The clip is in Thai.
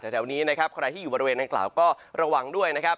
แถวอยู่บริเวณนั้นกล่าวก็ระวังด้วย